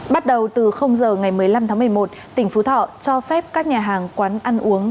bắt đầu từ giờ ngày một mươi năm tháng một mươi một tỉnh phú thọ cho phép các nhà hàng quán ăn uống